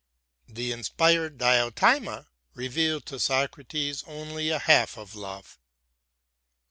The inspired Diotima revealed to Socrates only a half of love.